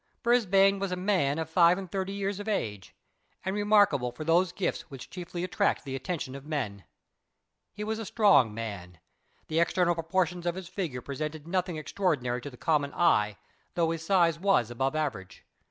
Brisbane was a man of five and thirty years of age, and remarkable for those gifts which chiefly attract the attention of men. He was a strong man. The external proportions of his figure presented nothing extraordinary to the common eye, though his size was about the average.